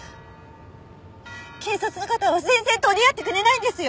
警察の方は全然取り合ってくれないんですよ？